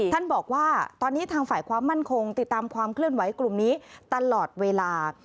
ท่านบอกว่าตอนนี้ทางฝ่ายความมั่นคงติดตามความเคลื่อนไหวกลุ่มนี้ตลอดเวลา